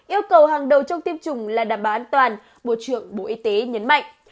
yêu cầu hàng đầu trong tiêm chủng là đảm bảo an toàn bộ trưởng bộ y tế nhấn mạnh